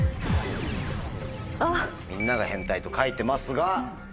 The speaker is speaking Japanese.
みんなが「変態」と書いてますが。